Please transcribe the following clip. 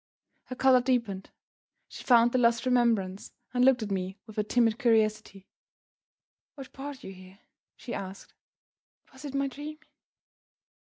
Her color deepened; she found the lost remembrance, and looked at me with a timid curiosity. "What brought you here?" she asked. "Was it my dream?"